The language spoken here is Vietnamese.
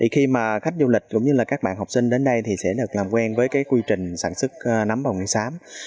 khi khách du lịch cũng như các bạn học sinh đến đây thì sẽ được làm quen với quy trình sản xuất nấm bồng xám